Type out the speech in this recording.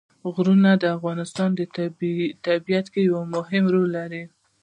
غرونه د افغانستان په طبیعت کې مهم رول لري.